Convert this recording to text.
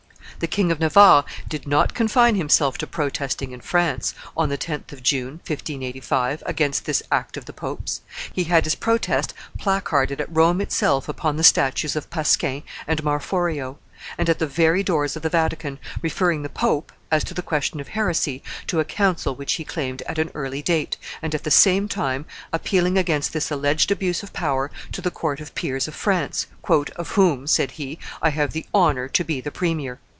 The King of Navarre did not confine himself to protesting in France, on the 10th of June, 1585, against this act of the pope's: he had his protest placarded at Rome itself upon the statues of Pasquin and Marforio, and at the very doors of the Vatican, referring the pope, as to the question of heresy, to a council which he claimed at an early date, and at the same time appealing against this alleged abuse of power to the court of peers of France, "of whom," said he, "I have the honor to be the premier."